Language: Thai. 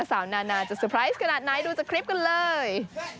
นานาจะเตอร์ไพรส์ขนาดไหนดูจากคลิปกันเลย